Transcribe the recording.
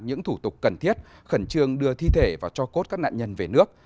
những thủ tục cần thiết khẩn trương đưa thi thể và cho cốt các nạn nhân về nước